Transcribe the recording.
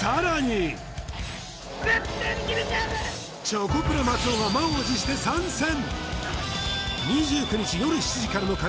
チョコプラ松尾が満を持して参戦